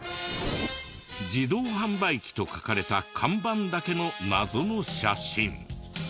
「自動販売機」と書かれた看板だけの謎の写真。